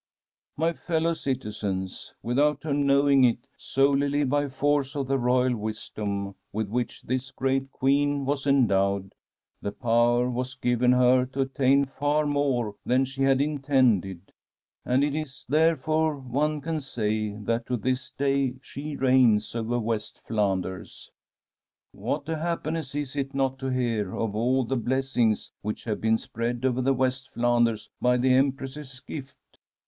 '" My fellow citizens, without her knowing it, solely by force of the royal wisdom with which this great Queen was endowed, the power was given her to attain far more than she had in tended, and it is therefore one can say that to this day she reigns over West Flanders. '" What a happiness, is it not, to hear of all the blessings which have been spread over West Flanders by the Empress's gift!